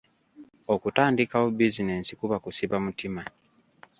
Okutandikawo bizinensi kuba kusiba mutima.